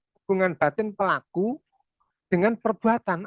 hubungan batin pelaku dengan perbuatan